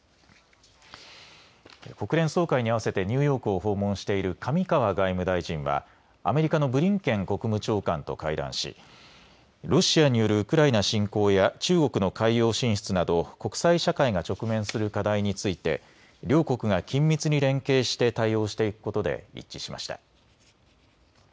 国連総会に合わせてニューヨークを訪問している上川外務大臣はアメリカのブリンケン国務長官と会談し、ロシアによるウクライナ侵攻や中国の海洋進出など、国際社会が直面する課題について両国が緊密に連携して対応していくことで一致しました。